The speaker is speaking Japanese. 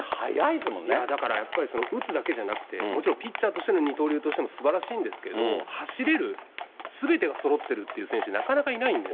だからやっぱり、打つだけじゃなくて、もちろんピッチャーとしての二刀流もすばらしいんですけど、走れる、すべてがそろってるって選手なかなかいないんでね。